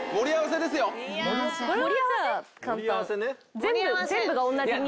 全部が同じに。